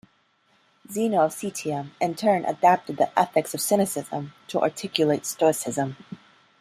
Zeno of Citium in turn adapted the ethics of Cynicism to articulate Stoicism.